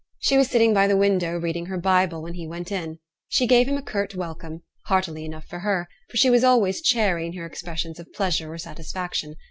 She was sitting by the window, reading her Bible, when he went in. She gave him a curt welcome, hearty enough for her, for she was always chary in her expressions of pleasure or satisfaction.